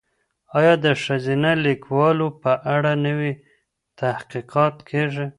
ایا د ښځینه لیکوالو په اړه نوي تحقیقات کیږي؟